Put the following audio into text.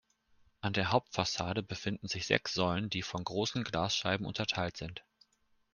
An der Hauptfassade befinden sich sechs Säulen, die von großen Glasscheiben unterteilt sind.